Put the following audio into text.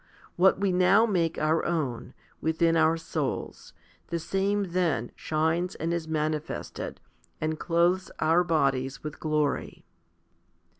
What we now make our own, within our souls, the same then shines and is manifested, and clothes our bodies with glory.